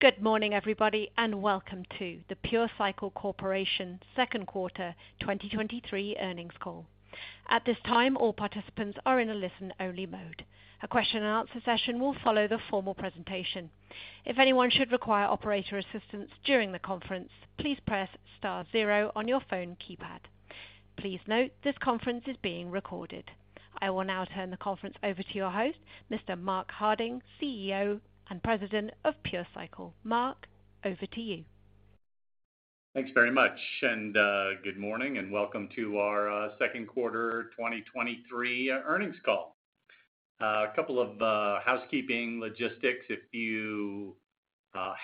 Good morning, everybody, and welcome to the PureCycle Corporation second quarter 2023 earnings call. At this time, all participants are in a listen-only mode. A question and answer session will follow the formal presentation. If anyone should require operator assistance during the conference, please press star zero on your phone keypad. Please note this conference is being recorded. I will now turn the conference over to your host, Mr. Mark Harding, CEO and President of PureCycle. Mark, over to you. Thanks very much. Good morning and welcome to our second quarter 2023 earnings call. A couple of housekeeping logistics. If you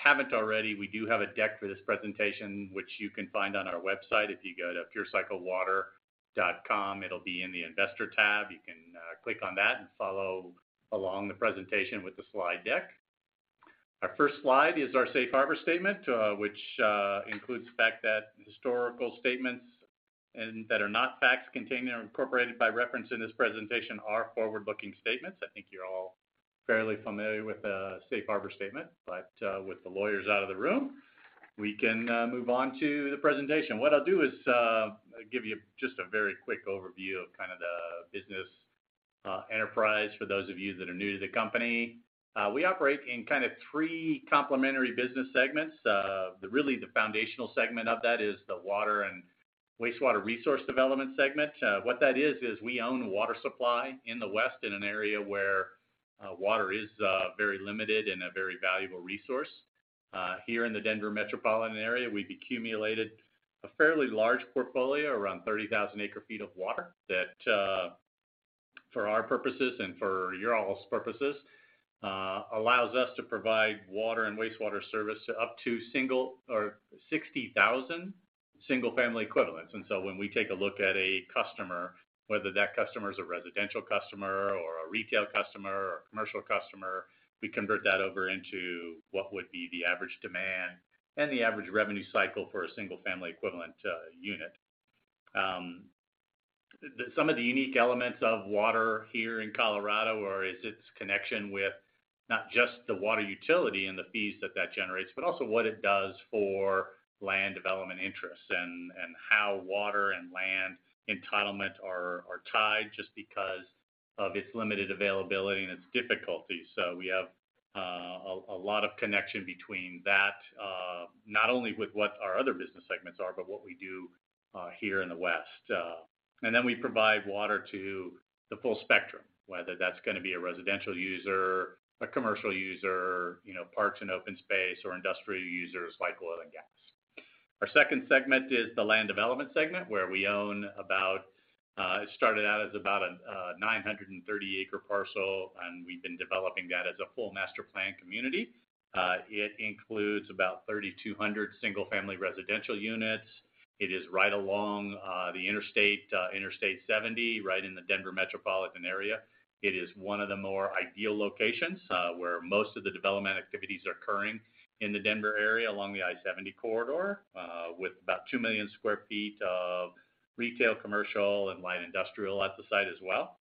haven't already, we do have a deck for this presentation, which you can find on our website. If you go to purecyclewater.com, it'll be in the investor tab. You can click on that and follow along the presentation with the slide deck. Our first slide is our safe harbor statement, which includes the fact that historical statements and that are not facts contained or incorporated by reference in this presentation are forward-looking statements. I think you're all fairly familiar with the safe harbor statement, with the lawyers out of the room, we can move on to the presentation. What I'll do is give you just a very quick overview of kind of the business enterprise for those of you that are new to the company. We operate in kind of three complementary business segments. The foundational segment of that is the water and wastewater resource development segment. What that is we own water supply in the West in an area where water is very limited and a very valuable resource. Here in the Denver metropolitan area, we've accumulated a fairly large portfolio, around 30,000 ac-ft of water that for our purposes and for your all's purposes allows us to provide water and wastewater service to up to 60,000 single-family equivalents. When we take a look at a customer, whether that customer is a residential customer or a retail customer or a commercial customer, we convert that over into what would be the average demand and the average revenue cycle for a single-family equivalent unit. Some of the unique elements of water here in Colorado or is its connection with not just the water utility and the fees that that generates, but also what it does for land development interests and how water and land entitlements are tied just because of its limited availability and its difficulty. We have a lot of connection between that, not only with what our other business segments are, but what we do here in the West. We provide water to the full spectrum, whether that's gonna be a residential user, a commercial user, you know, parks and open space, or industrial users like oil and gas. Our second segment is the land development segment, where we own about, it started out as about, 930 acre parcel, and we've been developing that as a full master planned community. It includes about 3,200 single-family residential units. It is right along the Interstate 70, right in the Denver metropolitan area. It is one of the more ideal locations, where most of the development activities are occurring in the Denver area along the I-70 corridor, with about 2 million sq ft of retail, commercial, and light industrial at the site as well.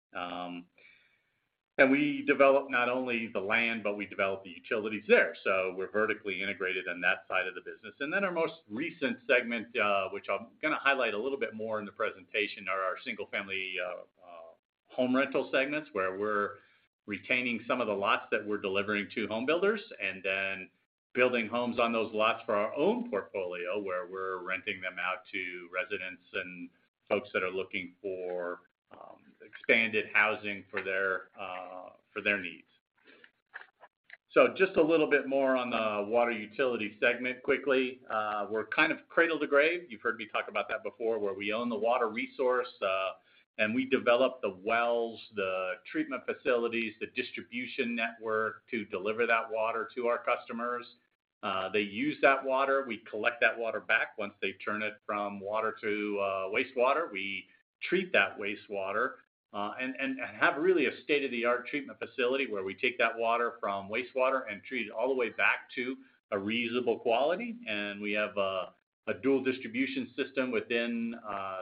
We develop not only the land, but we develop the utilities there. We're vertically integrated in that side of the business. Our most recent segment, which I'm gonna highlight a little bit more in the presentation, are our single-family home rental segments where we're retaining some of the lots that we're delivering to home builders and then building homes on those lots for our own portfolio, where we're renting them out to residents and folks that are looking for expanded housing for their needs. Just a little bit more on the water utility segment quickly. We're kind of cradle to grave. You've heard me talk about that before, where we own the water resource, and we develop the wells, the treatment facilities, the distribution network to deliver that water to our customers. They use that water. We collect that water back. Once they turn it from water to wastewater. We treat that wastewater and have really a state-of-the-art treatment facility where we take that water from wastewater and treat it all the way back to a reasonable quality. We have a dual distribution system within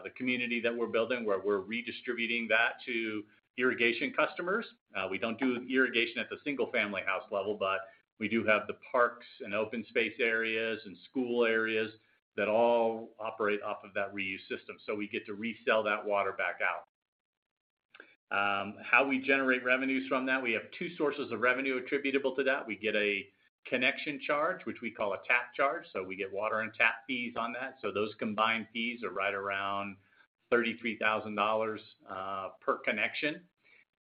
the community that we're building, where we're redistributing that to irrigation customers. We don't do irrigation at the single-family house level, but we do have the parks and open space areas and school areas that all operate off of that reuse system. We get to resell that water back out. How we generate revenues from that? We have two sources of revenue attributable to that. We get a connection charge, which we call a tap charge. We get water and tap fees on that. Those combined fees are right around $33,000 per connection.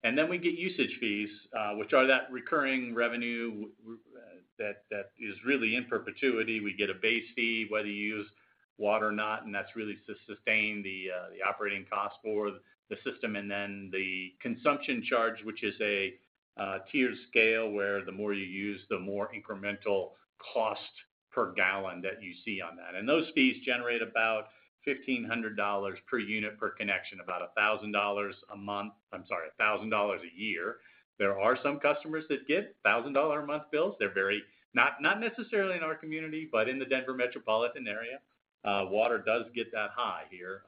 Then we get usage fees, which are that recurring revenue that is really in perpetuity. We get a base fee, whether you use water or not, and that's really to sustain the operating cost for the system. Then the consumption charge, which is a tiered scale, where the more you use, the more incremental cost per gallon that you see on that. Those fees generate about $1,500 per unit per connection, about $1,000 a month. I'm sorry, $1,000 a year. There are some customers that get $1,000 a month bills. They're very. Not necessarily in our community, but in the Denver metropolitan area, water does get that high here.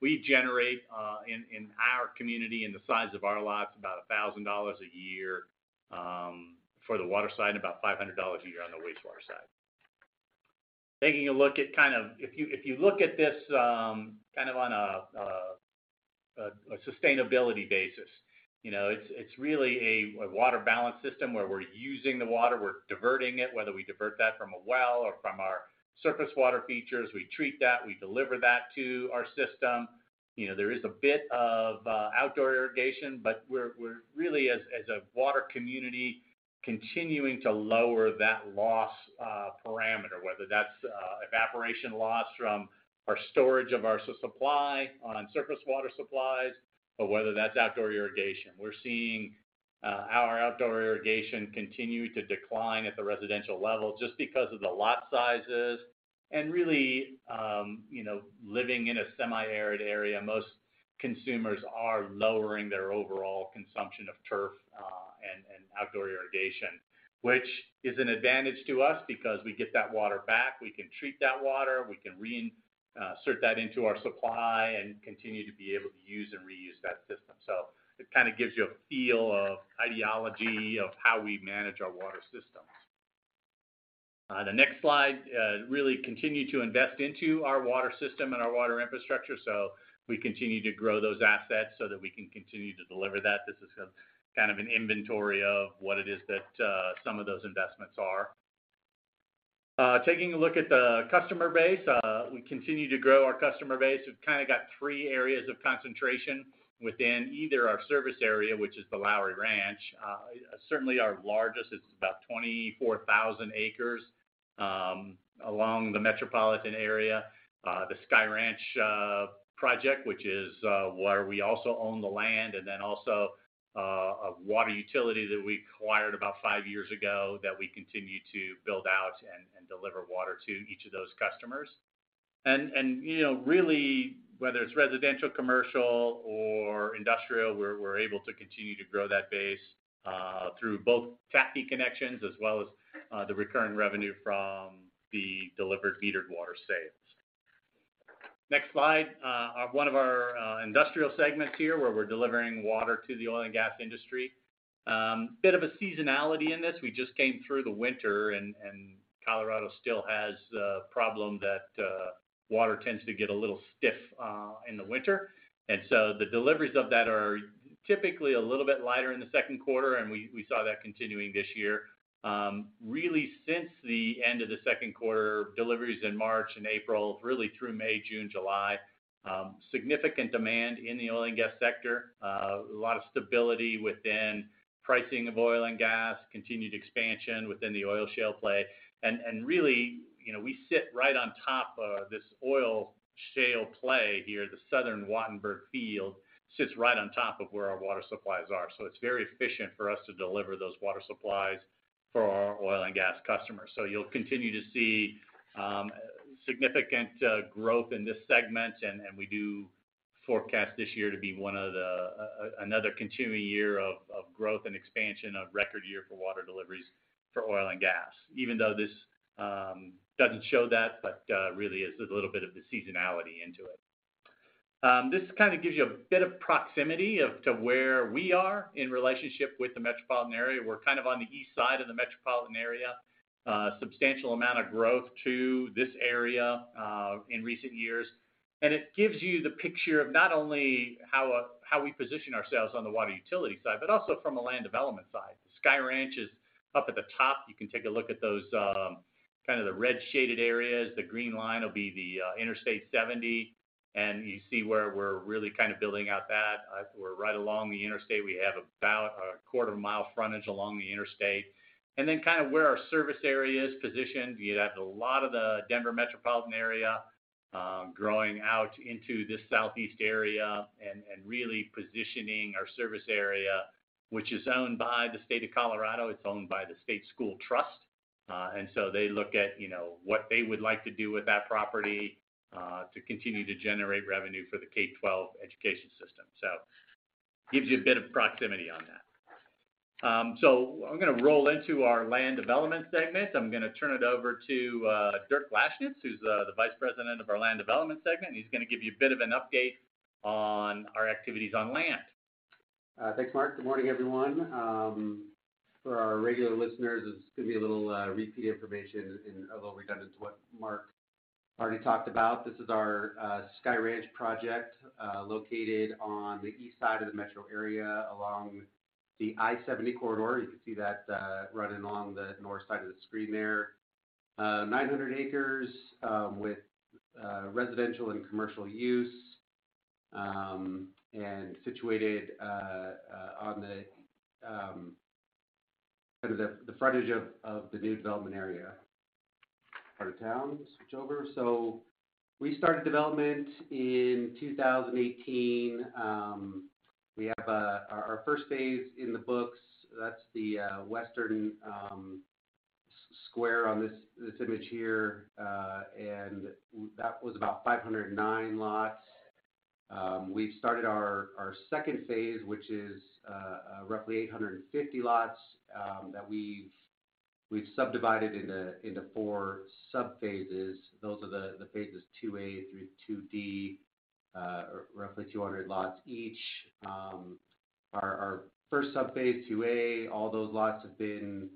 We generate, in our community, in the size of our lots, about $1,000 a year, for the water side, and about $500 a year on the wastewater side. Taking a look at If you, if you look at this, kind of on a sustainability basis, you know, it's really a water balance system where we're using the water, we're diverting it, whether we divert that from a well or from our surface water features. We treat that, we deliver that to our system. You know, there is a bit of outdoor irrigation, but we're really as a water community continuing to lower that loss parameter, whether that's evaporation loss from our storage of our supply on surface water supplies, or whether that's outdoor irrigation. We're seeing our outdoor irrigation continue to decline at the residential level just because of the lot sizes and really, you know, living in a semi-arid area, most consumers are lowering their overall consumption of turf, and outdoor irrigation, which is an advantage to us because we get that water back, we can treat that water, we can reinsert that into our supply and continue to be able to use and reuse that system. It kinda gives you a feel of ideology of how we manage our water systems. The next slide really continue to invest into our water system and our water infrastructure, so we continue to grow those assets so that we can continue to deliver that. This is a, kind of an inventory of what it is that some of those investments are. Taking a look at the customer base, we continue to grow our customer base. We've kinda got three areas of concentration within either our service area, which is the Lowry Ranch, certainly our largest. It's about 24,000 acres along the metropolitan area. The Sky Ranch project, which is where we also own the land, and then also a water utility that we acquired about five years ago that we continue to build out and deliver water to each of those customers. You know, really, whether it's residential, commercial, or industrial, we're able to continue to grow that base through both tap connections as well as the recurring revenue from the delivered metered water sales. Next slide. One of our industrial segments here where we're delivering water to the oil and gas industry. Bit of a seasonality in this. We just came through the winter and Colorado still has the problem that water tends to get a little stiff in the winter. The deliveries of that are typically a little bit lighter in the second quarter, and we saw that continuing this year. Really since the end of the second quarter, deliveries in March and April, really through May, June, July, significant demand in the oil and gas sector. A lot of stability within pricing of oil and gas, continued expansion within the oil shale play. Really, you know, we sit right on top of this oil shale play here. The Southern Wattenberg Field sits right on top of where our water supplies are, so it's very efficient for us to deliver those water supplies for our oil and gas customers. You'll continue to see significant growth in this segment. We do forecast this year to be one of the another continuing year of growth and expansion, a record year for water deliveries for oil and gas, even though this doesn't show that, really is a little bit of the seasonality into it. This kind of gives you a bit of proximity of to where we are in relationship with the metropolitan area. We're kind of on the east side of the metropolitan area. Substantial amount of growth to this area in recent years. It gives you the picture of not only how we position ourselves on the water utility side, but also from a land development side. Sky Ranch is up at the top. You can take a look at those, kind of the red shaded areas. The green line will be the Interstate 70, and you see where we're really kind of building out that. We're right along the interstate. We have about a quarter-mile frontage along the interstate. Kind of where our service area is positioned, you have a lot of the Denver metropolitan area growing out into this southeast area and really positioning our service area, which is owned by the state of Colorado. It's owned by the State Land Board, and so they look at, you know, what they would like to do with that property to continue to generate revenue for the K-12 education system. Gives you a bit of proximity on that. I'm gonna roll into our land development segment. I'm gonna turn it over to Dirk Lashnits who's the vice president of our land development segment. He's gonna give you a bit of an update on our activities on land. Thanks, Mark. Good morning, everyone. For our regular listeners, this is gonna be a little repeat information and a little redundant to what Mark already talked about. This is our Sky Ranch project, located on the east side of the metro area along the I-70 corridor. You can see that running along the north side of the screen there. 900 acres, with residential and commercial use, and situated on the sort of the frontage of the new development area. Part of town. Switch over. We started development in 2018. We have our first phase in the books. That's the western square on this image here. And that was about 509 lots. We've started our second phase, which is roughly 850 lots, that we've subdivided into four subphases. Those are the phases II-A through II-D, roughly 200 lots each. Our first subphase, II-A, all those lots have been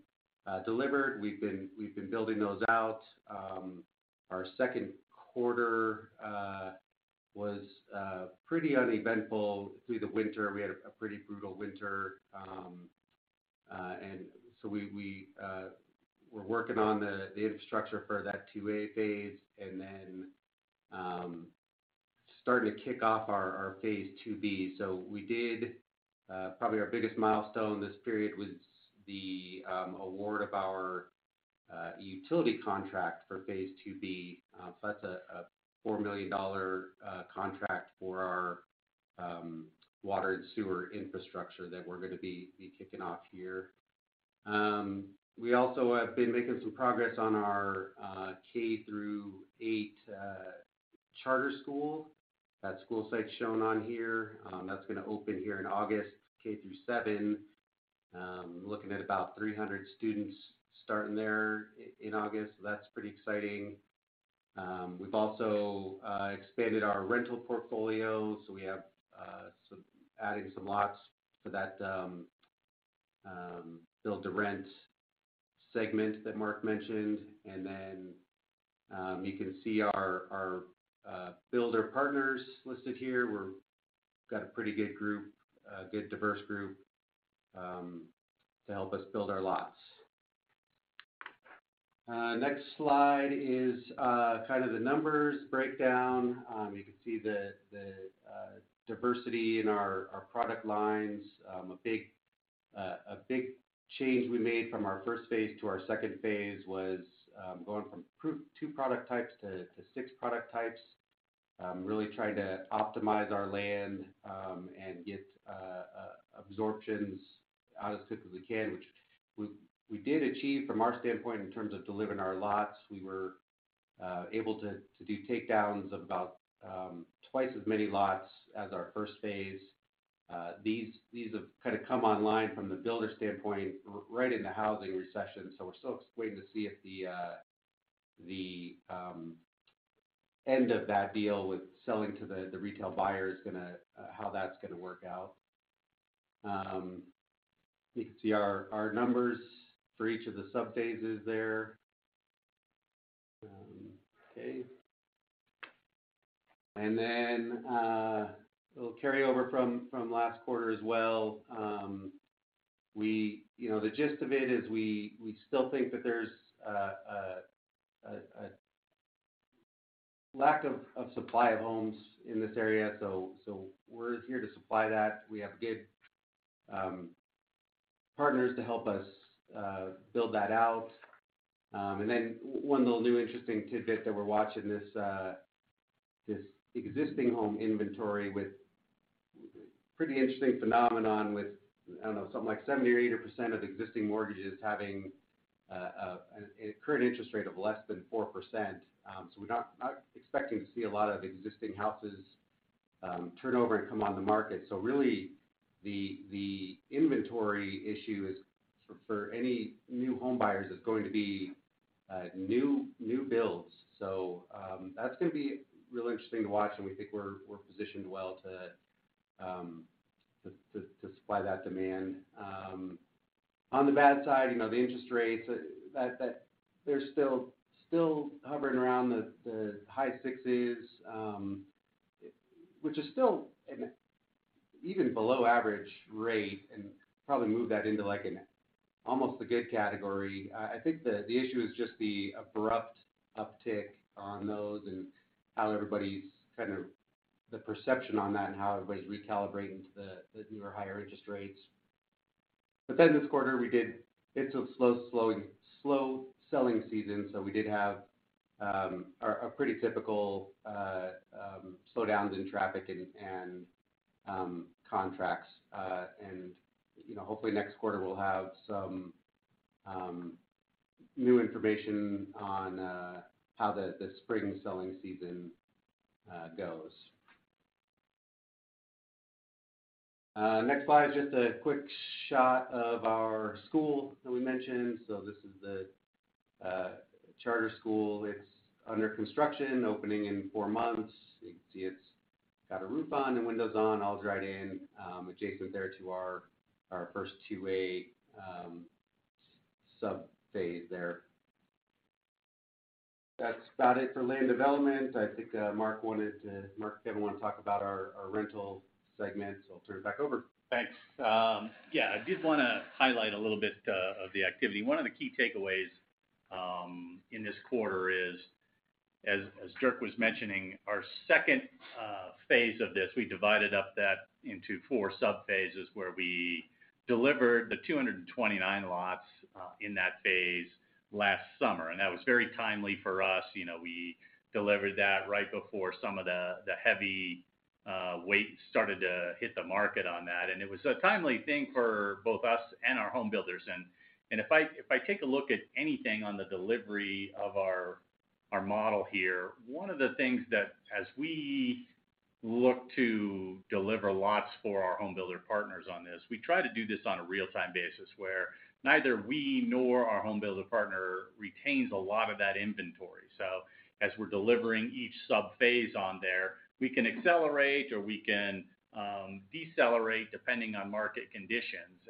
delivered. We've been building those out. Our second quarter was pretty uneventful through the winter. We had a pretty brutal winter. We'te working on the data structure for that II-A phase and then starting to kick off our phase II-B. We did, probably our biggest milestone this period was the award of our utility contract for phase II-B. That's a $4 million contract for our water and sewer infrastructure that we're going to be kicking off here. We also have been making some progress on our K-8 charter school. That school site's shown on here. That's going to open here in August, K through seven. Looking at about 300 students starting there in August. That's pretty exciting. We've also expanded our rental portfolio, so we have adding some lots to that build-to-rent segment that Mark mentioned. You can see our builder partners listed here. Got a pretty good group, good diverse group to help us build our lots. Next slide is kind of the numbers breakdown. You can see the diversity in our product lines. A big change we made from our first phase to our second phase was going from two product types to six product types. Really trying to optimize our land and get absorptions out as quickly as we can, which we did achieve from our standpoint in terms of delivering our lots. We were able to do takedowns of about twice as many lots as our first phase. These have kind of come online from the builder standpoint right in the housing recession, so we're still waiting to see if the end of that deal with selling to the retail buyer is gonna how that's gonna work out. You can see our numbers for each of the subphases there. Okay. Then, it'll carry over from last quarter as well. You know, the gist of it is we still think that there's a lack of supply of homes in this area, so we're here to supply that. We have good partners to help us build that out. Then one little new interesting tidbit that we're watching, this existing home inventory with pretty interesting phenomenon with, I don't know, something like 70% or 80% of existing mortgages having a current interest rate of less than 4%. So we're not expecting to see a lot of existing houses turn over and come on the market. Really, the inventory issue is for any new home buyers is going to be new builds. That's gonna be real interesting to watch, and we think we're positioned well to supply that demand. On the bad side, you know, the interest rates, that they're still hovering around the high sixes, which is still an even below average rate, and probably move that into like an almost a good category. I think the issue is just the abrupt uptick on those and how everybody's kind of the perception on that and how everybody's recalibrating to the newer higher interest rates. This quarter, we did get to a slow selling season. We did have a pretty typical slowdowns in traffic and contracts. You know, hopefully next quarter we'll have some new information on how the spring selling season goes. Next slide is just a quick shot of our school that we mentioned. This is the charter school. It's under construction, opening in four months. You can see it's got a roof on and windows on, all dried in, adjacent there to our first phase II-A subphase there. That's about it for land development. I think Mark and Kevin wanna talk about our rental segment, so I'll turn it back over. Thanks. Yeah, I did wanna highlight a little bit of the activity. One of the key takeaways in this quarter is, as Dirk was mentioning, our second phase of this, we divided up that into four subphases where we delivered the 229 lots in that phase last summer. That was very timely for us. You know, we delivered that right before some of the heavy weight started to hit the market on that. It was a timely thing for both us and our home builders. If I take a look at anything on the delivery of our model here, one of the things that as we look to deliver lots for our home builder partners on this, we try to do this on a real-time basis where neither we nor our home builder partner retains a lot of that inventory. As we're delivering each sub-phase on there, we can accelerate or we can decelerate depending on market conditions.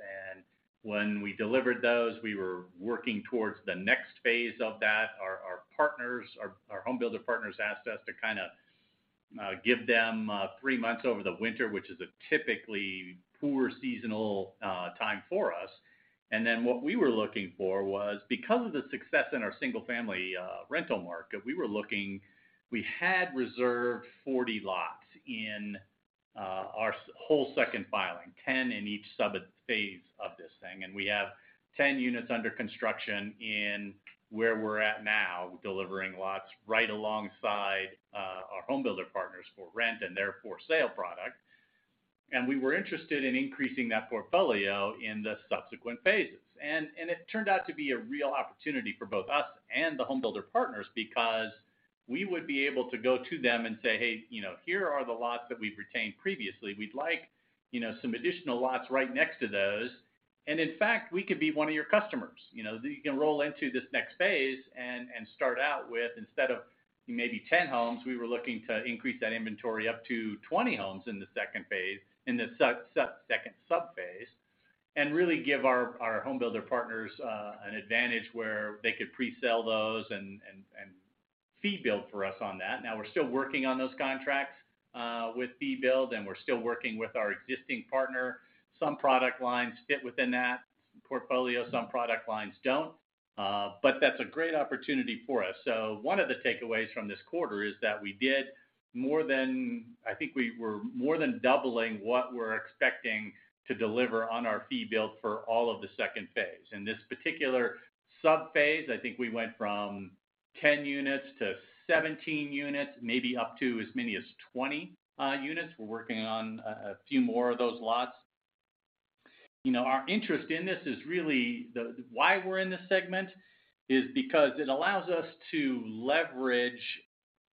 When we delivered those, we were working towards the next phase of that. Our partners, our home builder partners asked us to kind of give them three months over the winter, which is a typically poor seasonal time for us. What we were looking for was, because of the success in our single-family rental market, we were looking. We had reserved 40 lots in our whole second filing, 10 in each sub-phase of this thing. We have 10 units under construction in where we're at now, delivering lots right alongside our home builder partners for rent and their for sale product. We were interested in increasing that portfolio in the subsequent phases. It turned out to be a real opportunity for both us and the home builder partners, because we would be able to go to them and say, "Hey, you know, here are the lots that we've retained previously. We'd like, you know, some additional lots right next to those. In fact, we could be one of your customers. You know, you can roll into this next phase and start out with instead of maybe 10 homes, we were looking to increase that inventory up to 20 homes in the second phase, in the second sub-phase, and really give our home builder partners an advantage where they could pre-sell those and fee build for us on that. We're still working on those contracts with fee build, and we're still working with our existing partner. Some product lines fit within that portfolio, some product lines don't. That's a great opportunity for us. One of the takeaways from this quarter is that we did more than doubling what we're expecting to deliver on our fee build for all of the second phase. In this particular sub-phase, I think we went from 10 units to 17 units, maybe up to as many as 20 units. We're working on a few more of those lots. You know, our interest in this is really why we're in this segment is because it allows us to leverage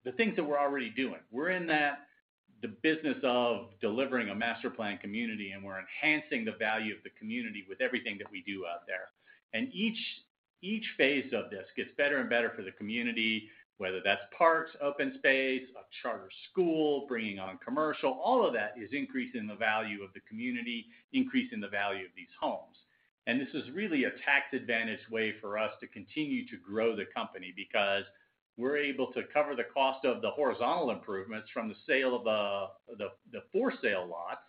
the things that we're already doing. We're in the business of delivering a master planned community, and we're enhancing the value of the community with everything that we do out there. Each phase of this gets better and better for the community, whether that's parks, open space, a charter school, bringing on commercial. All of that is increasing the value of the community, increasing the value of these homes. This is really a tax advantage way for us to continue to grow the company, because we're able to cover the cost of the horizontal improvements from the sale of the for sale lots,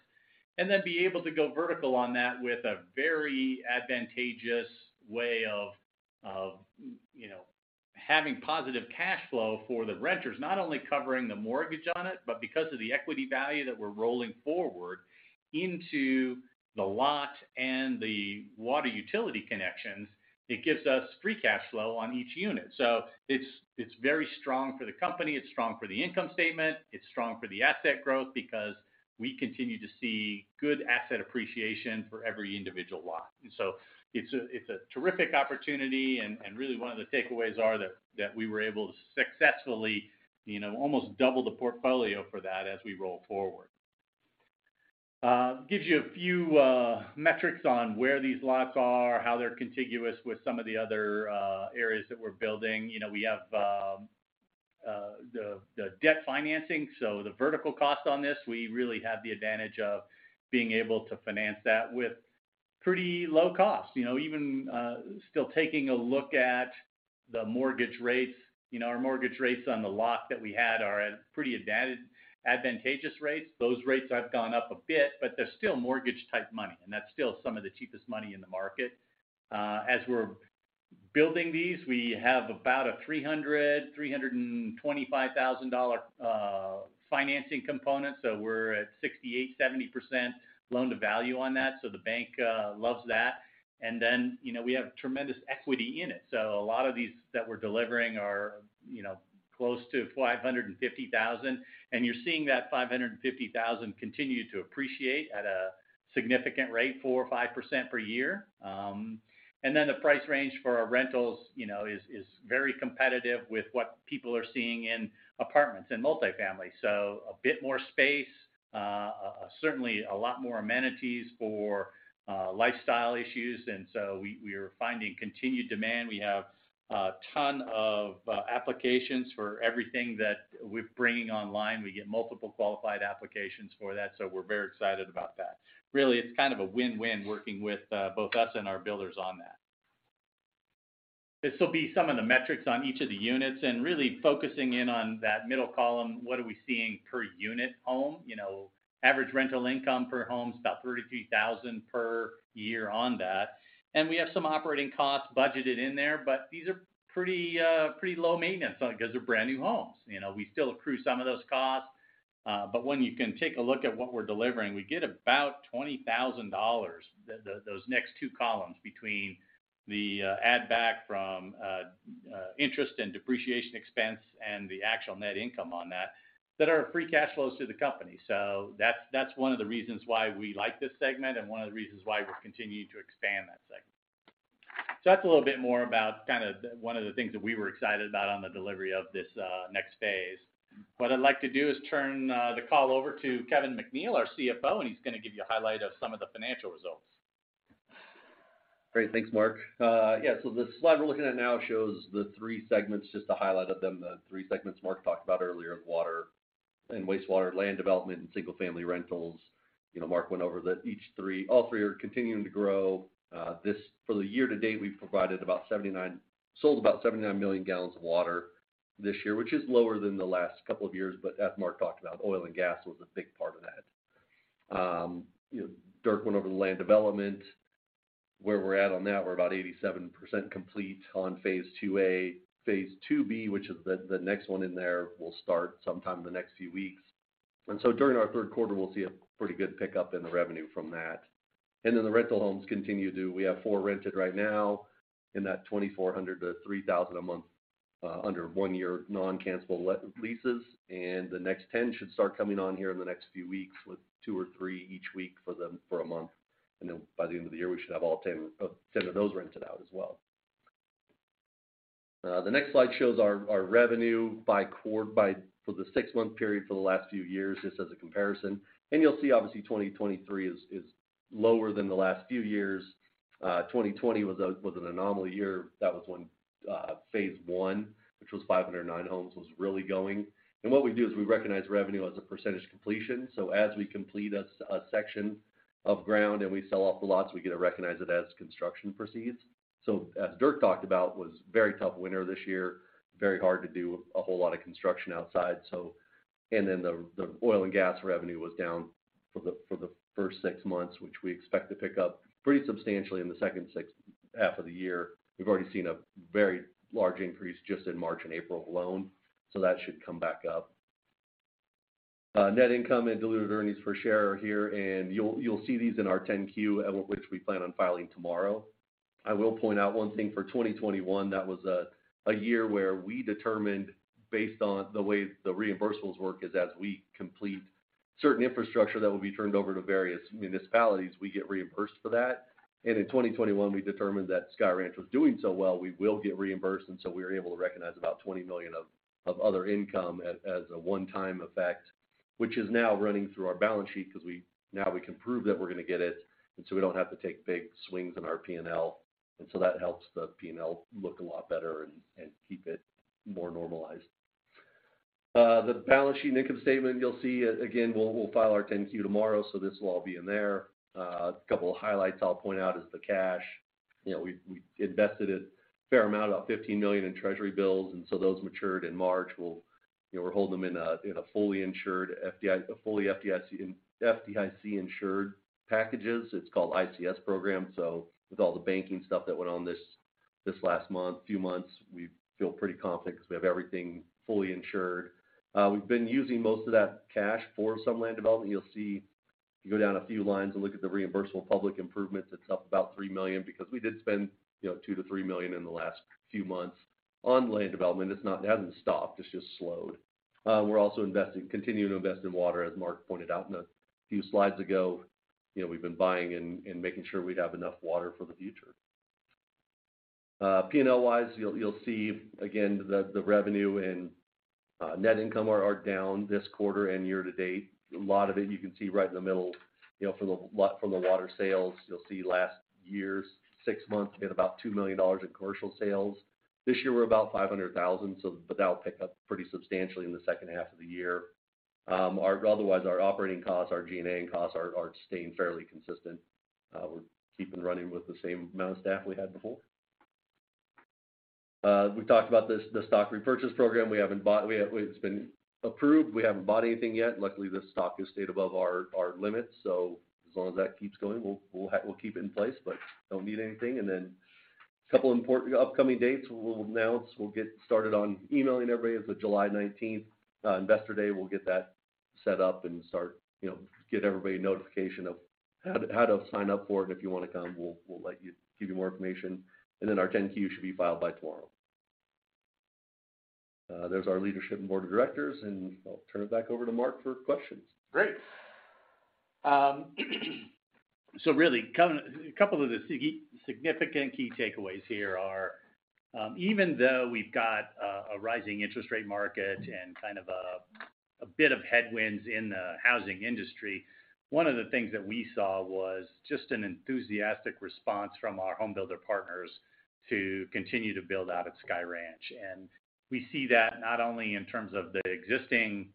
and then be able to go vertical on that with a very advantageous way of, you know, having positive cash flow for the renters, not only covering the mortgage on it, but because of the equity value that we're rolling forward into the lot and the water utility connections, it gives us free cash flow on each unit. It's very strong for the company, it's strong for the income statement, it's strong for the asset growth because we continue to see good asset appreciation for every individual lot. It's a, it's a terrific opportunity and really one of the takeaways are that we were able to successfully, you know, almost double the portfolio for that as we roll forward. Gives you a few metrics on where these lots are, how they're contiguous with some of the other areas that we're building. You know, we have the debt financing. The vertical cost on this, we really have the advantage of being able to finance that with pretty low cost. You know, even still taking a look at the mortgage rates. You know, our mortgage rates on the lot that we had are at pretty advantageous rates. Those rates have gone up a bit, but they're still mortgage type money, and that's still some of the cheapest money in the market. As we're building these, we have about a $300,000-$325,000 financing component. We're at 68%-70% loan-to-value on that. The bank loves that. Then, you know, we have tremendous equity in it. A lot of these that we're delivering are, you know, close to $550,000. You're seeing that $550,000 continue to appreciate at a significant rate, 4% or 5% per year. Then the price range for our rentals, you know, is very competitive with what people are seeing in apartments and multifamily. A bit more space, certainly a lot more amenities for lifestyle issues. We, we're finding continued demand. We have a ton of applications for everything that we're bringing online. We get multiple qualified applications for that, so we're very excited about that. Really, it's kind of a win-win working with, both us and our builders on that. This will be some of the metrics on each of the units, and really focusing in on that middle column, what are we seeing per unit home? You know, average rental income per home is about $33,000 per year on that. We have some operating costs budgeted in there, but these are pretty low maintenance because they're brand-new homes. You know, we still accrue some of those costs, but when you can take a look at what we're delivering, we get about $20,000, those next two columns between the add back from interest and depreciation expense and the actual net income on that are free cash flows to the company. That's one of the reasons why we like this segment and one of the reasons why we're continuing to expand that segment. That's a little bit more about kind of the one of the things that we were excited about on the delivery of this next phase. What I'd like to do is turn the call over to Kevin McNeill, our CFO, and he's gonna give you a highlight of some of the financial results. Great. Thanks, Mark. Yeah, the slide we're looking at now shows the three segments, just a highlight of them, the three segments Mark talked about earlier of water and wastewater, land development, and single-family rentals. You know, Mark went over that all three are continuing to grow. For the year to date, we've sold about 79 million gallons of water this year, which is lower than the last couple of years, but as Mark talked about, oil and gas was a big part of that. You know, Dirk went over the land development. Where we're at on that, we're about 87% complete on phase II-A. Phase II-B, which is the next one in there, will start sometime in the next few weeks. During our third quarter, we'll see a pretty good pickup in the revenue from that. The rental homes. We have four rented right now in that $2,400-$3,000 a month, under one-year non-cancelable leases. The next 10 should start coming on here in the next few weeks, with two or three each week for a month. By the end of the year, we should have all 10 of those rented out as well. The next slide shows our revenue for the six-month period for the last few years, just as a comparison. You'll see, obviously, 2023 is lower than the last few years. 2020 was an anomaly year. That was when phase I, which was 509 homes, was really going. What we do is we recognize revenue as a Percentage completion. As we complete a section of ground, and we sell off the lots, we get to recognize it as construction proceeds. As Dirk talked about, was very tough winter this year, very hard to do a whole lot of construction outside. The oil and gas revenue was down for the first six months, which we expect to pick up pretty substantially in the second half of the year. We've already seen a very large increase just in March and April alone. That should come back up. Net income and diluted earnings per share are here, and you'll see these in our 10-Q, which we plan on filing tomorrow. I will point out one thing. For 2021, that was a year where we determined, based on the way the reimbursables work, is as we complete certain infrastructure that will be turned over to various municipalities, we get reimbursed for that. In 2021, we determined that Sky Ranch was doing so well, we will get reimbursed, so we were able to recognize about $20 million of other income as a one-time effect, which is now running through our balance sheet because now we can prove that we're gonna get it, we don't have to take big swings in our P&L. That helps the P&L look a lot better and keep it more normalized. The balance sheet and income statement, you'll see, again, we'll file our 10-Q tomorrow, this will all be in there. A couple of highlights I'll point out is the cash. You know, we invested a fair amount, about $15 million, in Treasury bills. Those matured in March. You know, we're holding them in a fully FDIC-insured packages. It's called ICS program. With all the banking stuff that went on this last month, few months, we feel pretty confident because we have everything fully insured. We've been using most of that cash for some land development. You'll see, if you go down a few lines and look at the reimbursable public improvements, it's up about $3 million because we did spend, you know, $2 million-$3 million in the last few months on land development. It hasn't stopped. It's just slowed. We're also investing, continuing to invest in water, as Mark pointed out a few slides ago. You know, we've been buying and making sure we'd have enough water for the future. P&L-wise, you'll see again the revenue and net income are down this quarter and year to date. A lot of it you can see right in the middle, you know, from the water sales. You'll see last year's six months, we had about $2 million in commercial sales. This year, we're about $500,000, but that'll pick up pretty substantially in the second half of the year. Otherwise, our operating costs, our G&A costs are staying fairly consistent. We're keeping running with the same amount of staff we had before. We've talked about this, the stock repurchase program. It's been approved. We haven't bought anything yet. Luckily, the stock has stayed above our limits. As long as that keeps going, we'll keep it in place, but don't need anything. Couple important upcoming dates we'll announce. We'll get started on emailing everybody. It's the July 19th Investor Day. We'll get that set up and start, you know, get everybody a notification of how to sign up for it if you wanna come. We'll let you give you more information. Our 10-Q should be filed by tomorrow. There's our leadership and board of directors. I'll turn it back over to Mark for questions. Great. Really a couple of the significant key takeaways here are, even though we've got a rising interest rate market and kind of a bit of headwinds in the housing industry, one of the things that we saw was just an enthusiastic response from our home builder partners to continue to build out at Sky Ranch. We see that not only in terms of the existing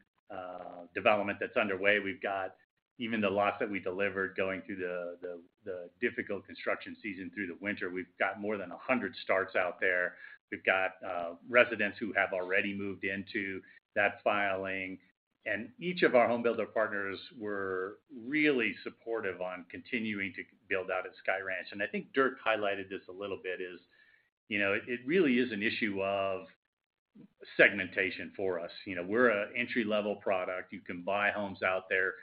development that's underway. We've got even the lots that we delivered going through the difficult construction season through the winter. We've got more than 100 starts out there. We've got residents who have already moved into that filing. Each of our home builder partners were really supportive on continuing to build out at Sky Ranch. I think Dirk highlighted this a little bit, is, you know, it really is an issue of segmentation for us. You know, we're a entry-level product. You can buy homes out there,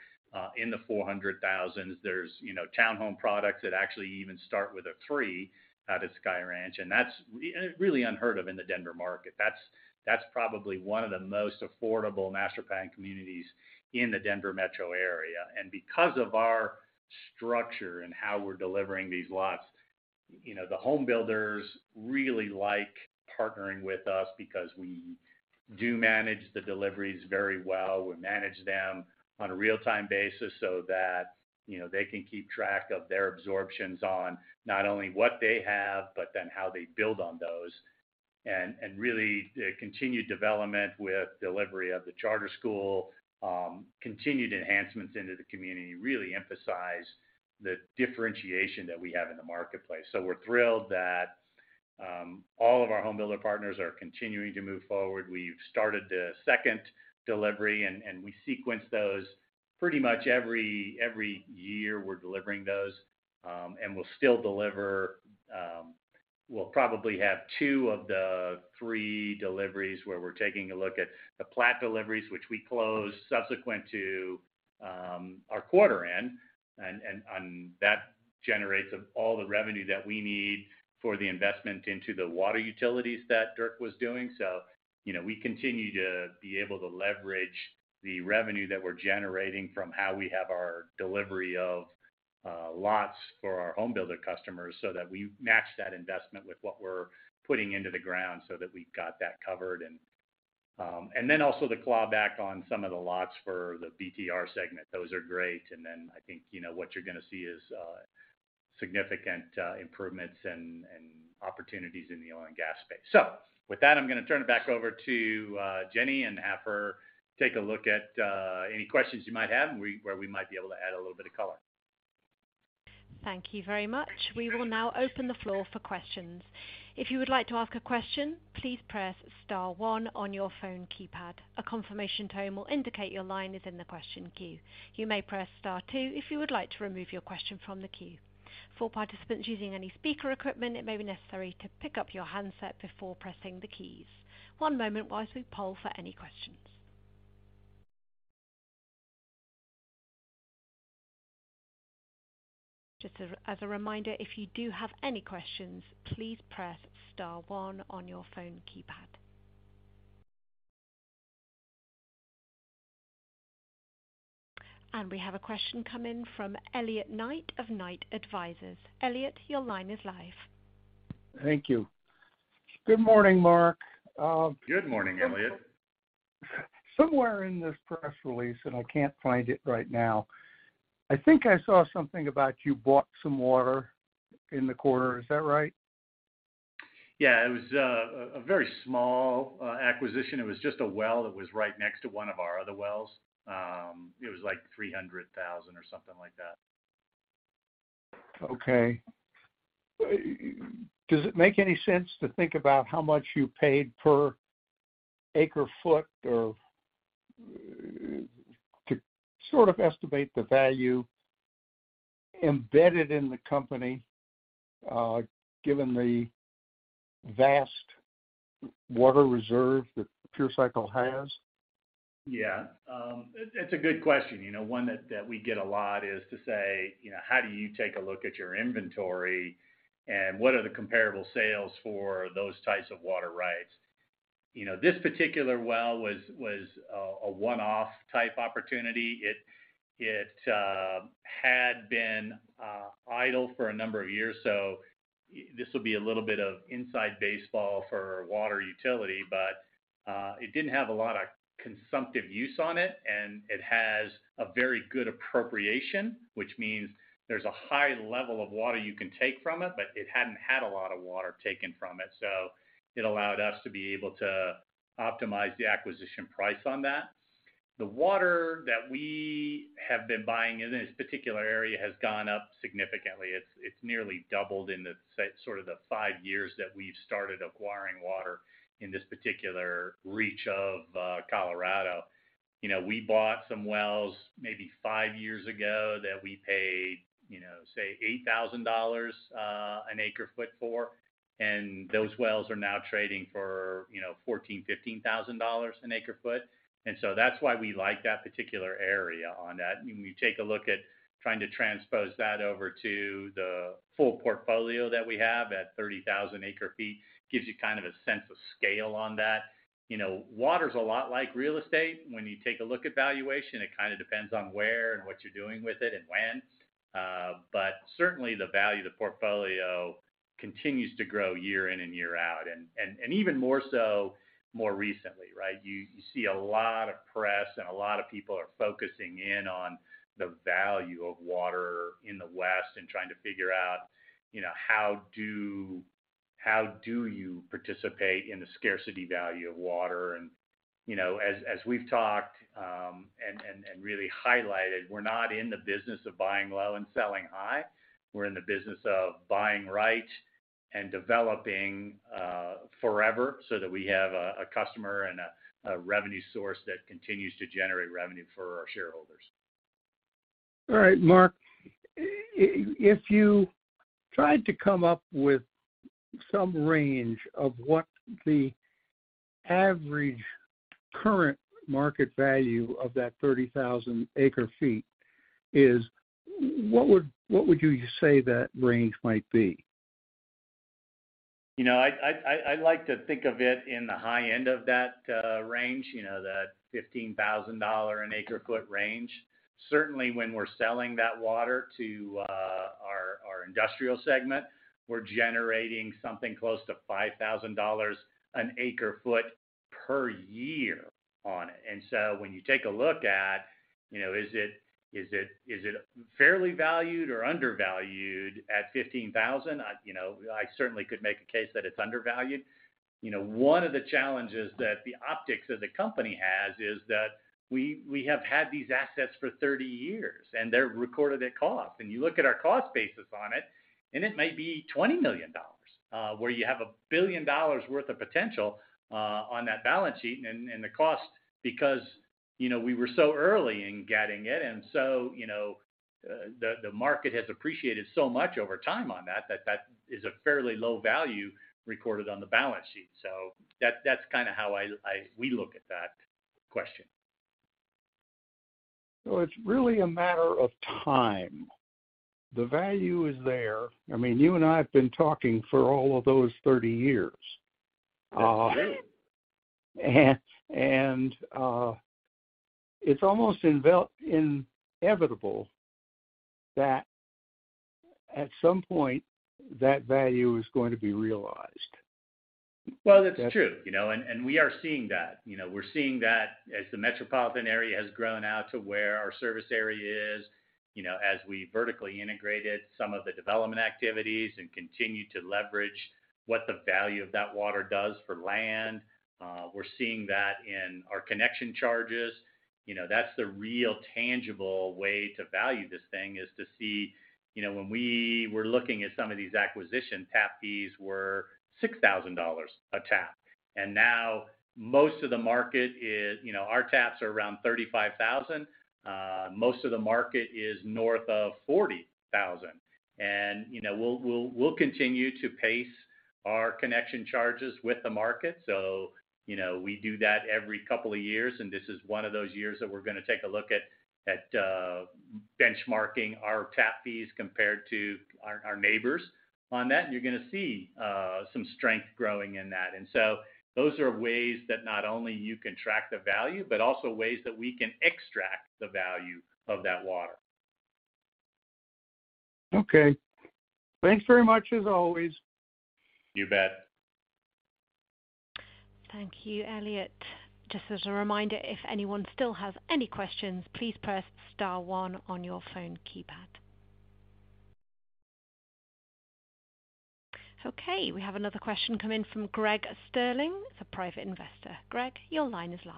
in the $400,000s. There's, you know, town home products that actually even start with a three out at Sky Ranch. That's really unheard of in the Denver market. That's probably one of the most affordable master planned communities in the Denver metro area. Because of our structure and how we're delivering these lots. You know, the home builders really like partnering with us because we do manage the deliveries very well. We manage them on a real-time basis so that, you know, they can keep track of their absorptions on not only what they have, but then how they build on those. Really the continued development with delivery of the charter school, continued enhancements into the community really emphasize the differentiation that we have in the marketplace. We're thrilled that all of our home builder partners are continuing to move forward. We've started the second delivery, and we sequence those pretty much every year we're delivering those. We'll still deliver. We'll probably have two of the three deliveries where we're taking a look at the plat deliveries, which we close subsequent to our quarter end. That generates of all the revenue that we need for the investment into the water utilities that Dirk was doing. You know, we continue to be able to leverage the revenue that we're generating from how we have our delivery of lots for our home builder customers so that we match that investment with what we're putting into the ground so that we've got that covered. Also the clawback on some of the lots for the BTR segment. Those are great. I think, you know, what you're gonna see is significant improvements and opportunities in the oil and gas space. With that, I'm gonna turn it back over to Jenny and have her take a look at any questions you might have, where we might be able to add a little bit of color. Thank you very much. We will now open the floor for questions. If you would like to ask a question, please press star one on your phone keypad. A confirmation tone will indicate your line is in the question queue. You may press star two if you would like to remove your question from the queue. For participants using any speaker equipment, it may be necessary to pick up your handset before pressing the keys. One moment while we poll for any questions. Just as a reminder, if you do have any questions, please press star one on your phone keypad. We have a question come in from Elliot Knight of Knight Advisors. Elliot, your line is live. Thank you. Good morning, Mark. Good morning, Elliot. Somewhere in this press release, and I can't find it right now, I think I saw something about you bought some water in the quarter. Is that right? Yeah. It was a very small acquisition. It was just a well that was right next to one of our other wells. It was like $300,000 or something like that. Okay. Does it make any sense to think about how much you paid per acre foot or to sort of estimate the value embedded in the company, given the vast water reserve that Pure Cycle has? It's a good question. You know, one that we get a lot is to say, you know, how do you take a look at your inventory, and what are the comparable sales for those types of water rights? You know, this particular well was a one-off type opportunity. It had been idle for a number of years, so this will be a little bit of inside baseball for water utility. It didn't have a lot of consumptive use on it, and it has a very good appropriation, which means there's a high level of water you can take from it. It hadn't had a lot of water taken from it, so it allowed us to be able to optimize the acquisition price on that. The water that we have been buying in this particular area has gone up significantly. It's nearly doubled in the sort of the five years that we've started acquiring water in this particular reach of Colorado. You know, we bought some wells maybe five years ago that we paid, you know, say $8,000 an ac-ft for. Those wells are now trading for, you know, $14,000-$15,000 an ac-ft. That's why we like that particular area on that. When you take a look at trying to transpose that over to the full portfolio that we have at 30,000 ac-ft, gives you kind of a sense of scale on that. You know, water's a lot like real estate. When you take a look at valuation, it kind of depends on where and what you're doing with it and when. Certainly the value of the portfolio continues to grow year in and year out, and even more so more recently, right? You see a lot of press, and a lot of people are focusing in on the value of water in the West and trying to figure out, you know, how do you participate in the scarcity value of water? You know, as we've talked, and really highlighted, we're not in the business of buying low and selling high. We're in the business of buying right and developing forever so that we have a customer and a revenue source that continues to generate revenue for our shareholders. All right. Mark, if you tried to come up with some range of what the average current market value of that 30,000 ac-ft is, what would you say that range might be? You know, I'd like to think of it in the high end of that range, you know, that $15,000 an ac-ft range. Certainly, when we're selling that water to our industrial segment, we're generating something close to $5,000 an ac-ft per year on it. When you take a look at, you know, is it fairly valued or undervalued at $15,000, you know, I certainly could make a case that it's undervalued. You know, one of the challenges that the optics of the company has is that we have had these assets for 30 years, and they're recorded at cost. You look at our cost basis on it, and it may be $20 million, where you have $1 billion worth of potential on that balance sheet and the cost, because, you know, we were so early in getting it. You know, the market has appreciated so much over time on that that is a fairly low value recorded on the balance sheet. That, that's kinda how I, we look at that question. It's really a matter of time. The value is there. I mean, you and I have been talking for all of those 30 years. That's right. It's almost inevitable that at some point that value is going to be realized. Well, it's true, you know, and we are seeing that. You know, we're seeing that as the metropolitan area has grown out to where our service area is, you know, as we vertically integrated some of the development activities and continue to leverage what the value of that water does for land. We're seeing that in our connection charges. You know, that's the real tangible way to value this thing, is to see. You know, when we were looking at some of these acquisitions, tap fees were $6,000 a tap. Now most of the market is, you know, our taps are around $35,000. Most of the market is north of $40,000. You know, we'll continue to pace our connection charges with the market. You know, we do that every couple of years, and this is one of those years that we're gonna take a look at benchmarking our tap fees compared to our neighbors. On that, you're gonna see some strength growing in that. Those are ways that not only you can track the value, but also ways that we can extract the value of that water. Okay. Thanks very much as always. You bet. Thank you, Elliot. Just as a reminder, if anyone still has any questions, please press star one on your phone keypad. Okay, we have another question come in from Greg Sterling, he's a private investor. Greg, your line is live.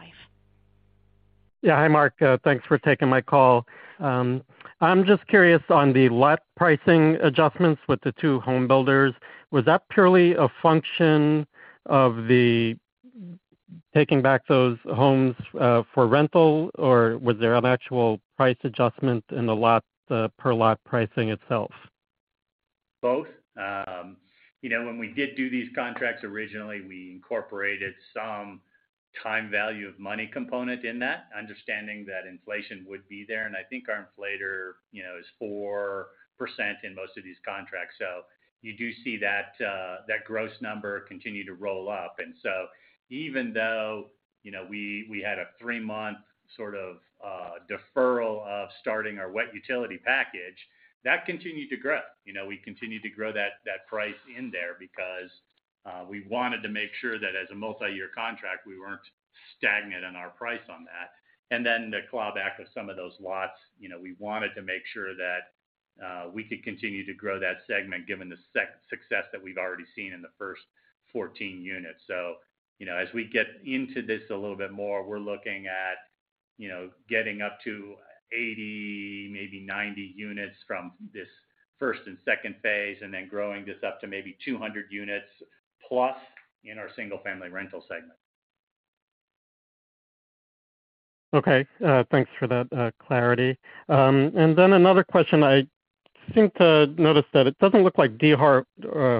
Yeah. Hi, Mark. Thanks for taking my call. I'm just curious on the lot pricing adjustments with the two home builders, was that purely a function of the taking back those homes for rental, or was there an actual price adjustment in the lot per lot pricing itself? Both. You know, when we did do these contracts, originally, we incorporated some time value of money component in that, understanding that inflation would be there. I think our inflator, you know, is 4% in most of these contracts. You do see that gross number continue to roll up. Even though, you know, we had a three-month sort of deferral of starting our wet utility package, that continued to grow. You know, we continued to grow that price in there because we wanted to make sure that as a multi-year contract, we weren't stagnant on our price on that. The clawback of some of those lots, you know, we wanted to make sure that we could continue to grow that segment given the success that we've already seen in the first 14 units. You know, as we get into this a little bit more, we're looking at, you know, getting up to 80, maybe 90 units from this first and second phase, and then growing this up to maybe 200 units plus in our single-family rental segment. Okay. Thanks for that clarity. Another question. I seem to notice that it doesn't look like D.R.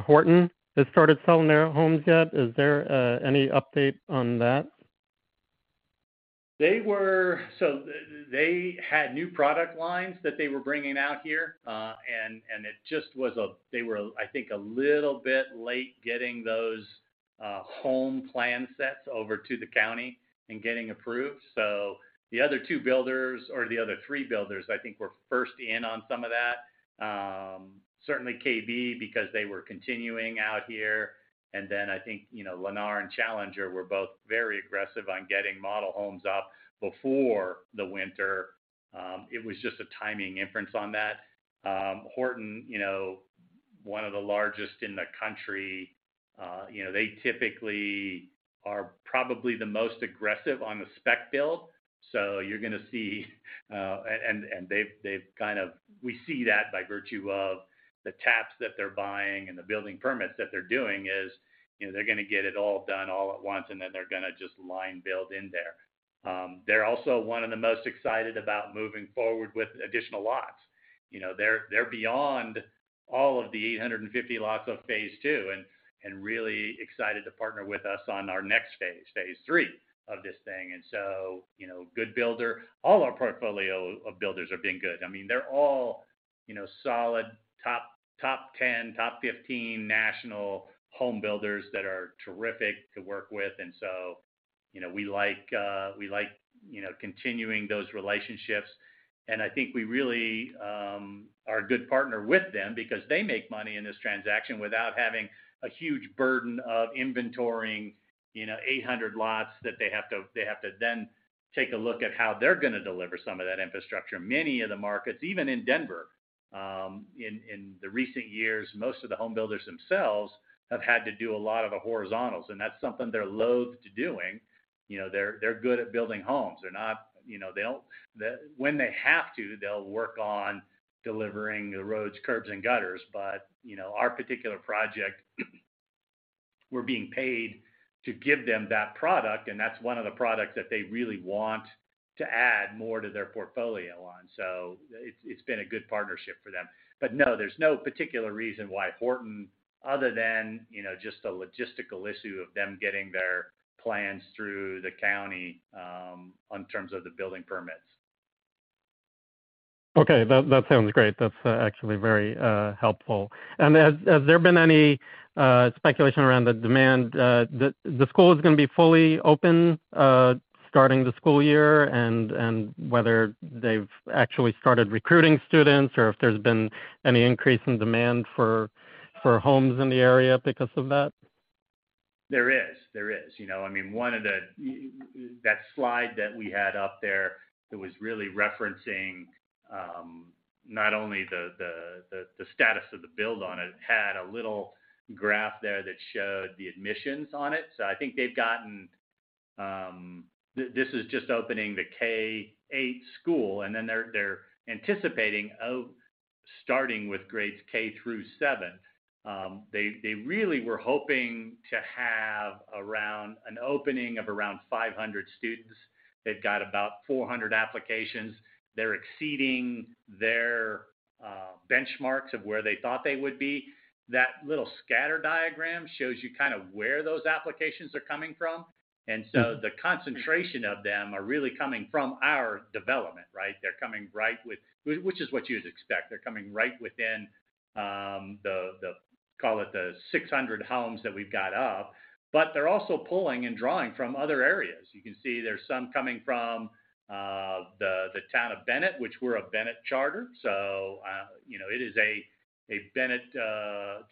Horton has started selling their homes yet. Is there any update on that? They had new product lines that they were bringing out here, and it just was a. They were, I think, a little bit late getting those home plan sets over to the county and getting approved. The other two builders or the other three builders I think were first in on some of that. Certainly KB, because they were continuing out here. I think, you know, Lennar and Challenger were both very aggressive on getting model homes up before the winter. It was just a timing inference on that. Horton, you know, one of the largest in the country, you know, they typically are probably the most aggressive on the spec build. You're gonna see, and they've kind of... We see that by virtue of the taps that they're buying and the building permits that they're doing is, you know, they're gonna get it all done all at once, and then they're gonna just line-build in there. They're also one of the most excited about moving forward with additional lots. You know, they're beyond all of the 850 lots of phase II and really excited to partner with us on our next phase, phase III of this thing. You know, good builder. All our portfolio of builders have been good. I mean, they're all, you know, solid top 10, top 15 national home builders that are terrific to work with. You know, we like, we like, you know, continuing those relationships. I think we really are a good partner with them because they make money in this transaction without having a huge burden of inventorying, you know, 800 lots that they have to then take a look at how they're gonna deliver some of that infrastructure. Many of the markets, even in Denver, in the recent years, most of the home builders themselves have had to do a lot of the horizontals, and that's something they're loathe to doing. You know, they're good at building homes. When they have to, they'll work on delivering the roads, curbs, and gutters. You know, our particular project, we're being paid to give them that product, and that's one of the products that they really want to add more to their portfolio on. It's been a good partnership for them. No, there's no particular reason why Horton other than, you know, just the logistical issue of them getting their plans through the county, on terms of the building permits. Okay. That sounds great. That's actually very helpful. Has there been any speculation around the demand, the school is gonna be fully open, starting the school year, and whether they've actually started recruiting students or if there's been any increase in demand for homes in the area because of that? There is, there is. You know, I mean, one of the. That slide that we had up there that was really referencing, not only the status of the build on it, had a little graph there that showed the admissions on it. I think they've gotten. This is just opening the K-8 school, and then they're anticipating starting with grades K through seven. They really were hoping to have around an opening of around 500 students. They've got about 400 applications. They're exceeding their benchmarks of where they thought they would be. That little scatter diagram shows you kind of where those applications are coming from. The concentration of them are really coming from our development, right? They're coming right with. Which is what you'd expect. They're coming right within, call it the 600 homes that we've got up. They're also pulling and drawing from other areas. You can see there's some coming from the town of Bennett, which we're a Bennett charter. You know, it is a Bennett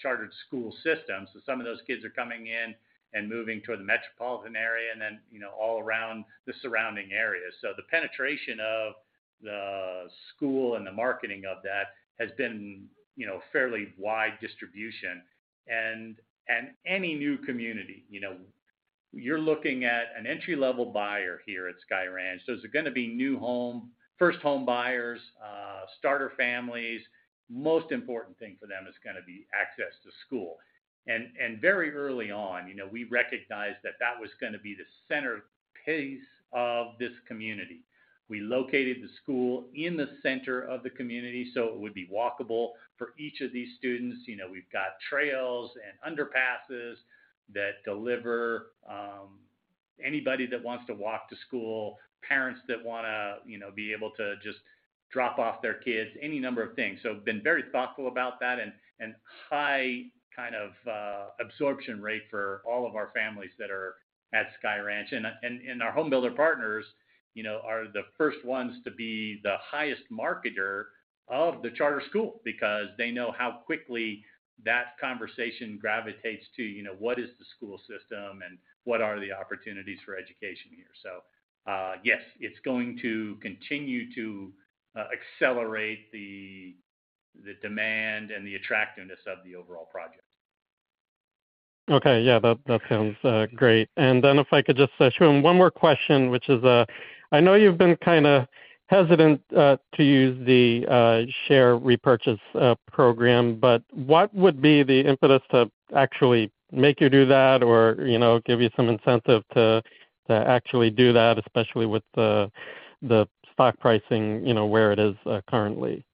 chartered school system. Some of those kids are coming in and moving toward the metropolitan area, you know, all around the surrounding areas. The penetration of the school and the marketing of that has been, you know, fairly wide distribution. Any new community, you know, you're looking at an entry-level buyer here at Sky Ranch. It's gonna be new home, first home buyers, starter families. Most important thing for them is gonna be access to school. Very early on, you know, we recognized that that was gonna be the centerpiece of this community. We located the school in the center of the community, so it would be walkable for each of these students. You know, we've got trails and underpasses that deliver anybody that wants to walk to school, parents that wanna, you know, be able to just drop off their kids, any number of things. Been very thoughtful about that and high kind of absorption rate for all of our families that are at Sky Ranch. Our home builder partners, you know, are the first ones to be the highest marketer of the charter school because they know how quickly that conversation gravitates to, you know, what is the school system and what are the opportunities for education here. Yes, it's going to continue to accelerate the demand and the attractiveness of the overall project. Okay. Yeah. That sounds great. If I could just squeeze one more question, which is, I know you've been kinda hesitant to use the stock repurchase program, but what would be the impetus to actually make you do that or, you know, give you some incentive to actually do that, especially with the stock pricing, you know, where it is currently?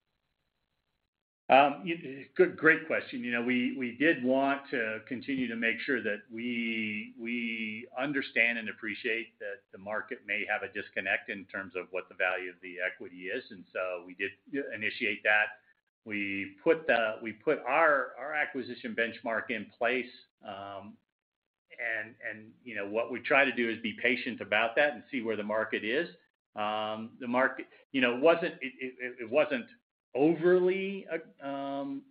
Good, great question. You know, we did want to continue to make sure that we understand and appreciate that the market may have a disconnect in terms of what the value of the equity is. We did initiate that. We put our acquisition benchmark in place. You know, what we try to do is be patient about that and see where the market is. The market, you know, wasn't. It wasn't overly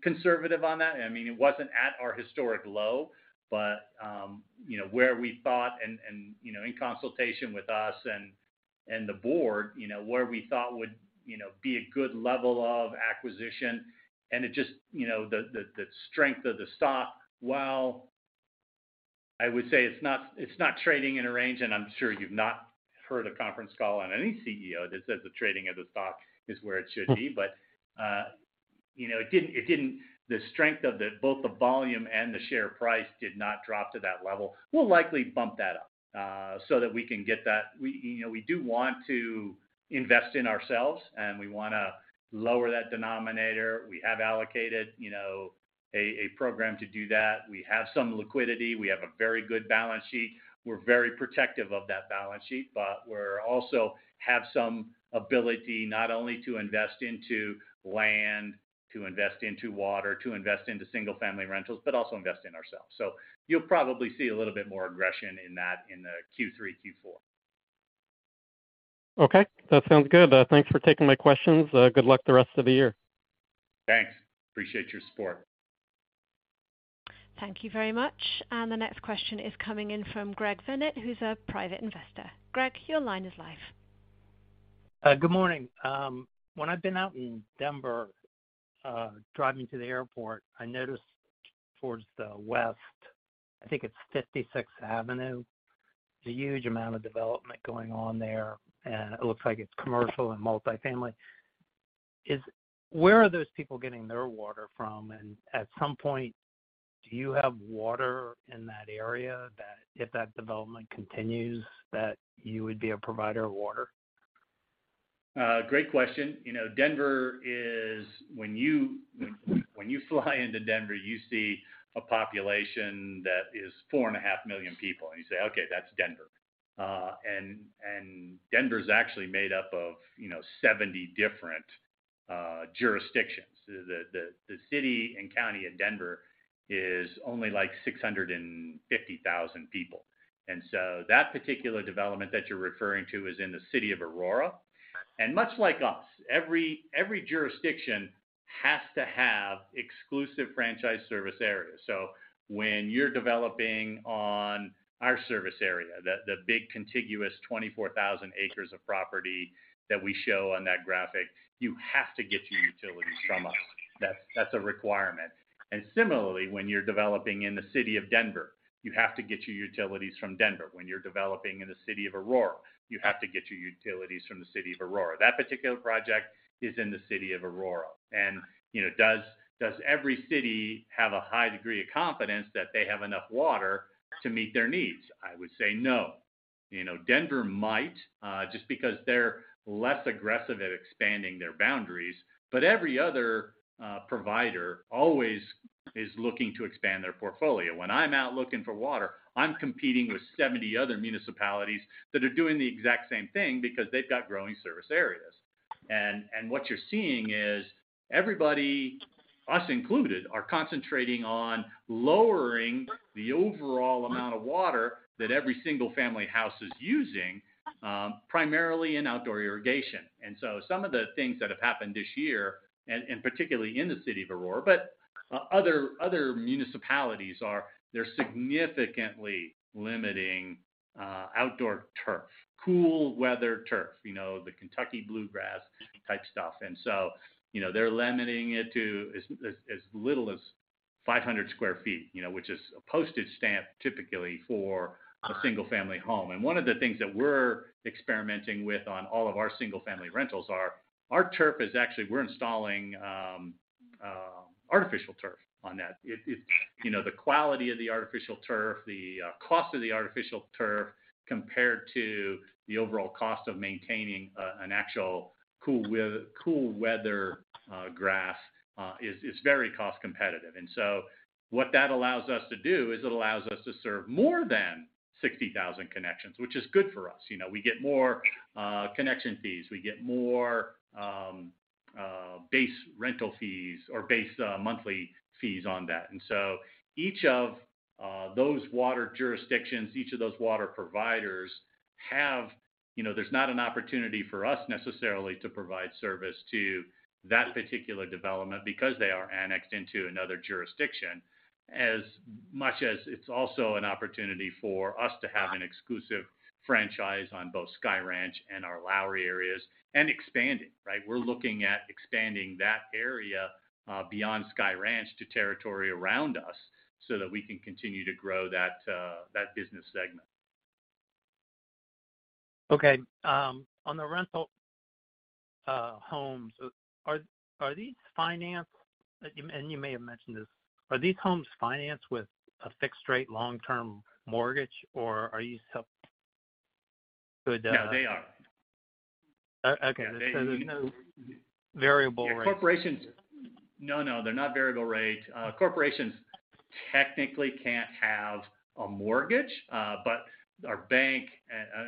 conservative on that. I mean, it wasn't at our historic low, but, you know, where we thought and, you know, in consultation with us and the board, you know, where we thought would, you know, be a good level of acquisition. It just, you know, the strength of the stock, while I would say it's not, it's not trading in a range, and I'm sure you've not heard a conference call on any CEO that says the trading of the stock is where it should be. You know, the strength of both the volume and the share price did not drop to that level. We'll likely bump that up so that we can get that. You know, we do want to invest in ourselves, and we wanna lower that denominator. We have allocated a program to do that. We have some liquidity. We have a very good balance sheet. We're very protective of that balance sheet, but we're also have some ability not only to invest into land, to invest into water, to invest into single-family rentals, but also invest in ourselves. You'll probably see a little bit more aggression in that in Q3, Q4. Okay. That sounds good. Thanks for taking my questions. Good luck the rest of the year. Thanks. Appreciate your support. Thank you very much. The next question is coming in from Greg Fennert, who's a private investor. Greg, your line is live. Good morning. When I've been out in Denver, driving to the airport, I noticed towards the west, I think it's 56th Avenue, there's a huge amount of development going on there, and it looks like it's commercial and multifamily. Where are those people getting their water from? At some point, do you have water in that area that if that development continues, that you would be a provider of water? Great question. You know, Denver is. When you fly into Denver, you see a population that is four and a half million people, and you say, "Okay, that's Denver." And Denver's actually made up of, you know, 70 different jurisdictions. The city and county of Denver is only, like, 650,000 people. So that particular development that you're referring to is in the city of Aurora. Much like us, every jurisdiction has to have exclusive franchise service areas. When you're developing on our service area, the big contiguous 24,000 acres of property that we show on that graphic, you have to get your utilities from us. That's a requirement. Similarly, when you're developing in the city of Denver, you have to get your utilities from Denver. When you're developing in the city of Aurora, you have to get your utilities from the city of Aurora. That particular project is in the city of Aurora. You know, does every city have a high degree of confidence that they have enough water to meet their needs? I would say no. You know, Denver might, just because they're less aggressive at expanding their boundaries, every other provider always is looking to expand their portfolio. When I'm out looking for water, I'm competing with 70 other municipalities that are doing the exact same thing because they've got growing service areas. What you're seeing is everybody, us included, are concentrating on lowering the overall amount of water that every single-family house is using, primarily in outdoor irrigation. Some of the things that have happened this year, and particularly in the city of Aurora, but other municipalities are, they're significantly limiting outdoor turf, cool weather turf, you know, the Kentucky bluegrass type stuff. You know, they're limiting it to as little as 500 sq ft, you know, which is a postage stamp typically for a single-family home. One of the things that we're experimenting with on all of our single-family rentals are our turf is actually we're installing artificial turf on that. It. You know, the quality of the artificial turf, the cost of the artificial turf compared to the overall cost of maintaining an actual cool weather grass is very cost competitive. What that allows us to do is it allows us to serve more than 60,000 connections, which is good for us. You know, we get more connection fees, we get more base rental fees or base monthly fees on that. Each of those water jurisdictions, each of those water providers have. You know, there's not an opportunity for us necessarily to provide service to that particular development because they are annexed into another jurisdiction, as much as it's also an opportunity for us to have an exclusive franchise on both Sky Ranch and our Lowry areas and expanding, right? We're looking at expanding that area beyond Sky Ranch to territory around us so that we can continue to grow that business segment. On the rental homes, are these financed? You may have mentioned this. Are these homes financed with a fixed rate long-term mortgage, or are you self with? No, they are. O-okay. Yeah. There's no variable rates. No, they're not variable rate. Corporations technically can't have a mortgage, but our bank,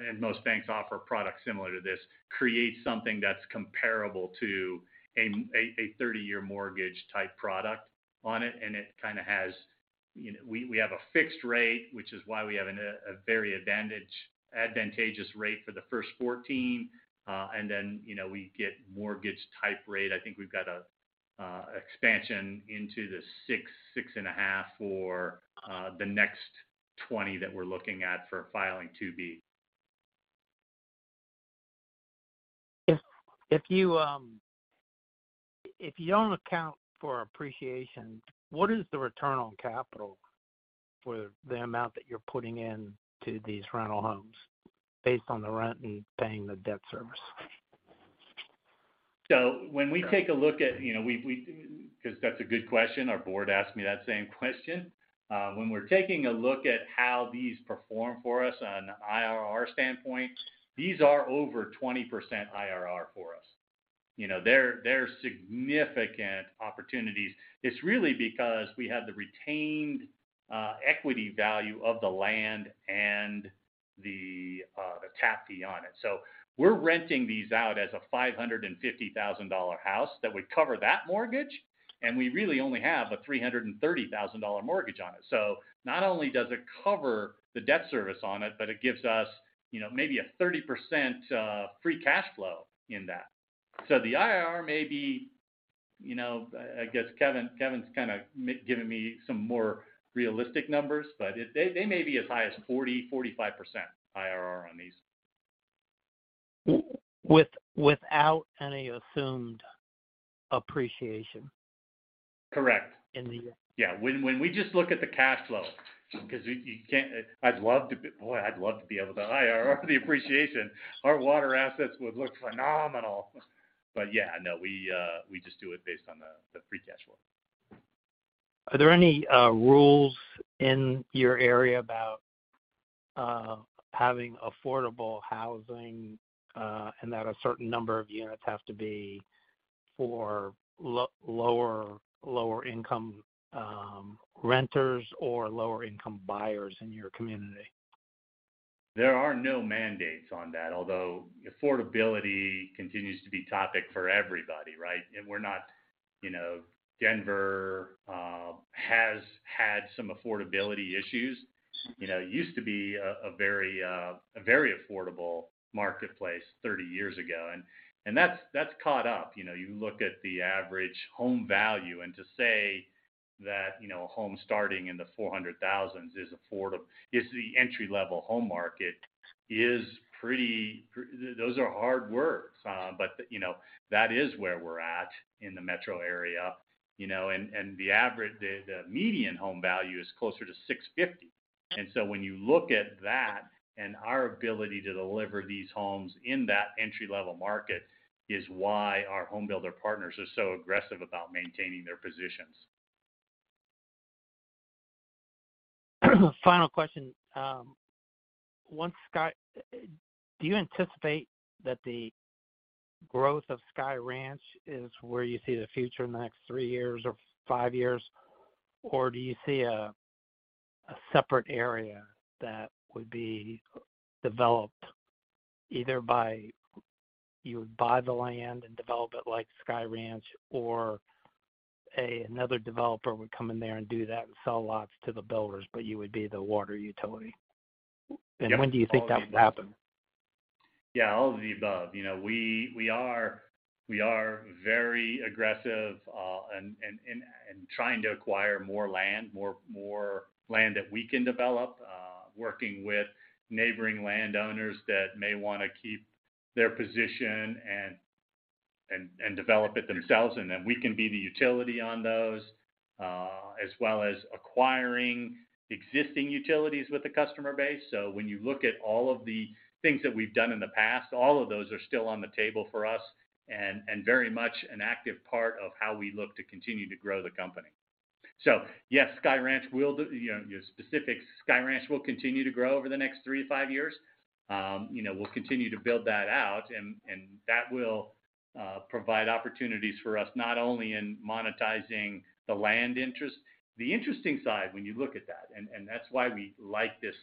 and most banks offer products similar to this, creates something that's comparable to a 30-year mortgage type product on it, and it kinda has, you know. We have a fixed rate, which is why we have an advantageous rate for the first 14. You know, we get mortgage type rate. I think we've got expansion into the 6.5 for the next 20 that we're looking at for filing phase II-B. If you don't account for appreciation, what is the return on capital for the amount that you're putting in to these rental homes based on the rent and paying the debt service? When we take a look at, you know, we've 'Cause that's a good question. Our board asked me that same question. When we're taking a look at how these perform for us on IRR standpoint, these are over 20% IRR for us. You know, they're significant opportunities. It's really because we have the retained equity value of the land and the tap fee on it. We're renting these out as a $550,000 house that would cover that mortgage, and we really only have a $330,000 mortgage on it. Not only does it cover the debt service on it, but it gives us, you know, maybe a 30% free cash flow in that. The IRR may be, you know, I guess Kevin's kinda giving me some more realistic numbers, but they may be as high as 40%-45% IRR on these. Without any assumed appreciation? Correct. In the- Yeah. When we just look at the cash flow, 'cause you can't. Boy, I'd love to be able to IRR the appreciation. Our water assets would look phenomenal. Yeah, no, we just do it based on the free cash flow. Are there any rules in your area about having affordable housing, and that a certain number of units have to be for lower income renters or lower income buyers in your community? There are no mandates on that, although affordability continues to be topic for everybody, right? We're not. You know, Denver has had some affordability issues. You know, it used to be a very affordable marketplace 30 years ago, and that's caught up. You know, you look at the average home value, and to say that, you know, a home starting in the $400,000s is affordable is the entry-level home market is those are hard words. You know, that is where we're at in the metro area, you know. The median home value is closer to $650. When you look at that and our ability to deliver these homes in that entry-level market is why our home builder partners are so aggressive about maintaining their positions. Final question. Do you anticipate that the growth of Sky Ranch is where you see the future in the next three years or five years? Or do you see a separate area that would be developed either by you buy the land and develop it like Sky Ranch, or another developer would come in there and do that and sell lots to the builders, but you would be the water utility? Yep. All of the above. When do you think that would happen? Yeah, all of the above. You know, we are very aggressive, and trying to acquire more land that we can develop, working with neighboring landowners that may wanna keep their position and develop it themselves. Then we can be the utility on those, as well as acquiring existing utilities with the customer base. When you look at all of the things that we've done in the past, all of those are still on the table for us and very much an active part of how we look to continue to grow the company. Yes, Sky Ranch will do... You know, your specifics, Sky Ranch will continue to grow over the next three to five years. You know, we'll continue to build that out and that will provide opportunities for us not only in monetizing the land interest. The interesting side when you look at that, and that's why we like this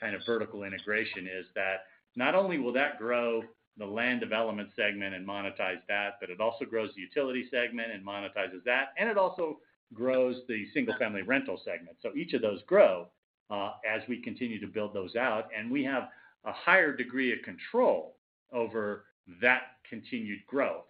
kind of vertical integration, is that not only will that grow the land development segment and monetize that, but it also grows the utility segment and monetizes that, and it also grows the single-family rental segment. Each of those grow as we continue to build those out, and we have a higher degree of control over that continued growth.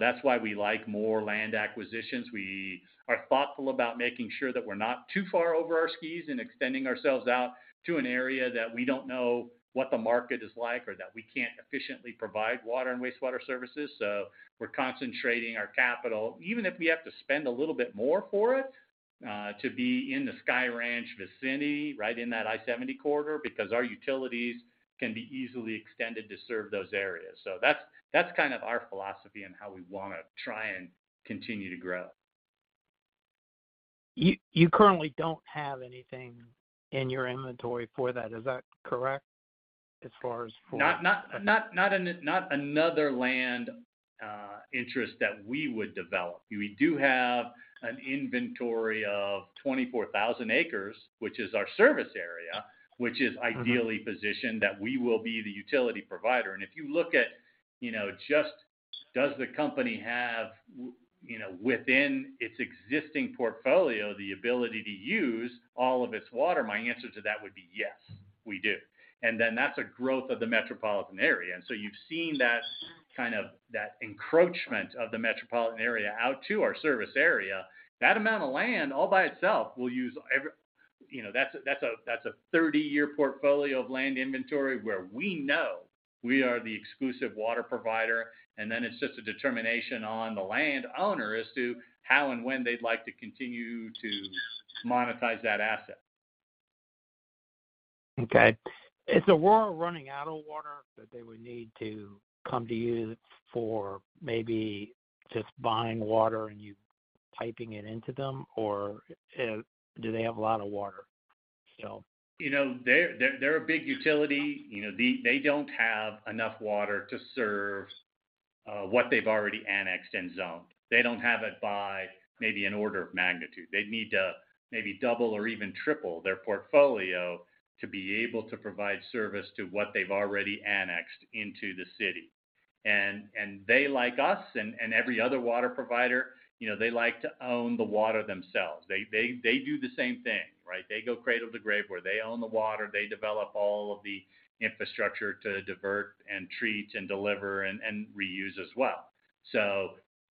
That's why we like more land acquisitions. We are thoughtful about making sure that we're not too far over our skis in extending ourselves out to an area that we don't know what the market is like or that we can't efficiently provide water and wastewater services. We're concentrating our capital, even if we have to spend a little bit more for it, to be in the Sky Ranch vicinity, right in that I-70 corridor, because our utilities can be easily extended to serve those areas. That's kind of our philosophy on how we wanna try and continue to grow. You currently don't have anything in your inventory for that. Is that correct? Not another land interest that we would develop. We do have an inventory of 24,000 acres, which is our service area. Mm-hmm... ideally positioned that we will be the utility provider. If you look at, you know, just does the company have, you know, within its existing portfolio, the ability to use all of its water, my answer to that would be yes, we do. That's a growth of the metropolitan area. You've seen that kind of, that encroachment of the metropolitan area out to our service area. That amount of land all by itself will use. You know, that's a, that's a, that's a 30-year portfolio of land inventory where we know we are the exclusive water provider, and then it's just a determination on the land owner as to how and when they'd like to continue to monetize that asset. Okay. Is Aurora running out of water that they would need to come to you for maybe just buying water and you piping it into them, or, do they have a lot of water? You know, they're a big utility. You know, they don't have enough water to serve what they've already annexed and zoned. They don't have it by maybe an order of magnitude. They'd need to maybe double or even triple their portfolio to be able to provide service to what they've already annexed into the city. They, like us and every other water provider, you know, they like to own the water themselves. They do the same thing, right? They go cradle to grave, where they own the water, they develop all of the infrastructure to divert and treat and deliver and reuse as well.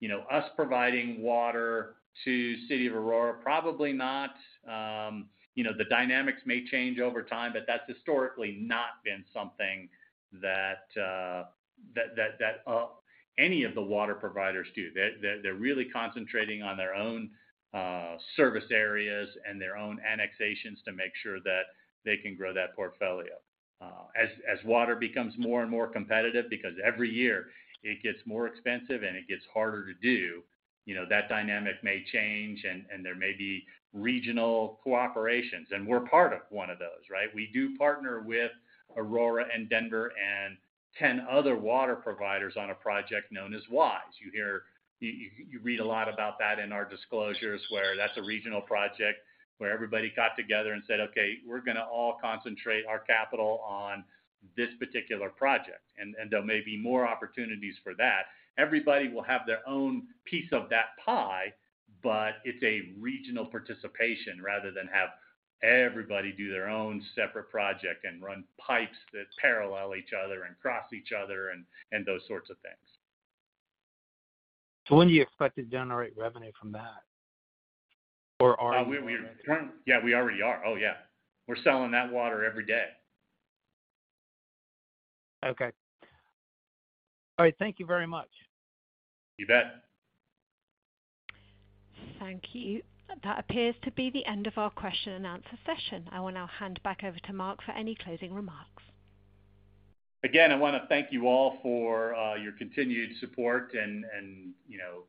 You know, us providing water to City of Aurora, probably not. You know, the dynamics may change over time, but that's historically not been something that any of the water providers do. They're really concentrating on their own service areas and their own annexations to make sure that they can grow that portfolio. As water becomes more and more competitive, because every year it gets more expensive and it gets harder to do, you know, that dynamic may change and there may be regional cooperations, and we're part of one of those, right? We do partner with Aurora and Denver and 10 other water providers on a project known as WISE. You read a lot about that in our disclosures where that's a regional project where everybody got together and said, "Okay, we're gonna all concentrate our capital on this particular project." There may be more opportunities for that. Everybody will have their own piece of that pie, but it's a regional participation rather than have everybody do their own separate project and run pipes that parallel each other and cross each other and those sorts of things. When do you expect to generate revenue from that? Or are you already? Yeah, we already are. Oh, yeah. We're selling that water every day. Okay. All right, thank you very much. You bet. Thank you. That appears to be the end of our question and answer session. I will now hand back over to Mark for any closing remarks. Again, I wanna thank you all for your continued support, and, you know,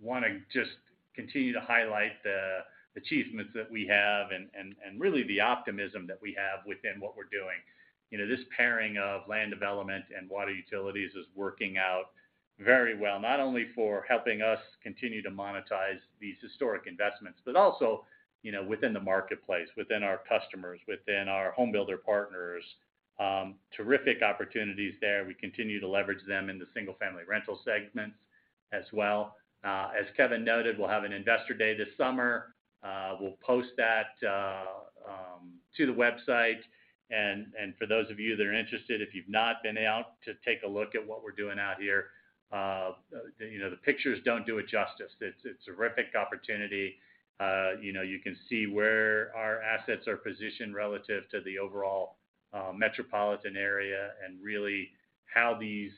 want to just continue to highlight the achievements that we have and really the optimism that we have within what we're doing. You know, this pairing of land development and water utilities is working out very well, not only for helping us continue to monetize these historic investments, but also, you know, within the marketplace, within our customers, within our home builder partners. Terrific opportunities there. We continue to leverage them in the single-family rental segments as well. As Kevin noted, we'll have an Investor Day this summer. We'll post that to the website. For those of you that are interested, if you've not been out to take a look at what we're doing out here, you know, the pictures don't do it justice. It's a terrific opportunity. You know, you can see where our assets are positioned relative to the overall metropolitan area and really how these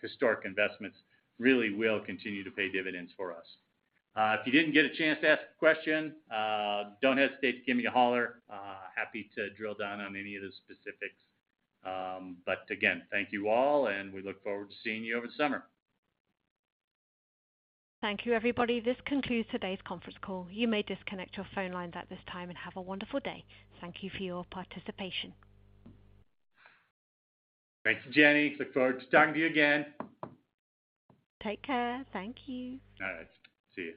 historic investments really will continue to pay dividends for us. If you didn't get a chance to ask a question, don't hesitate to give me a holler. Happy to drill down on any of the specifics. Again, thank you all, and we look forward to seeing you over the summer. Thank you, everybody. This concludes today's conference call. You may disconnect your phone lines at this time and have a wonderful day. Thank you for your participation. Thanks, Jenny. Look forward to talking to you again. Take care. Thank you. All right. See you.